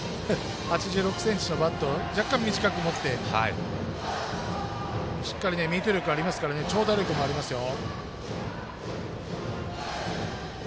８６ｃｍのバットを若干短く持ってしっかりミート力ありますから長打力もありますよ。